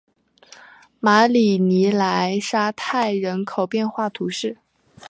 马里尼莱沙泰人口变化图示